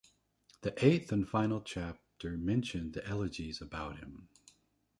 The eighth and final chapter mentioned the elegies about him.